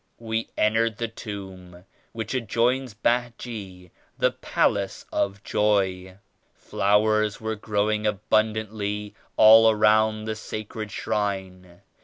We entered the Tomb which adjoins Behje the "Palace of Joy." Flowers were growing abun dantly all around the Sacred Shrine.